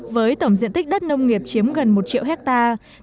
với tổng diện tích đất nông nghiệp chiếm gần một triệu hectare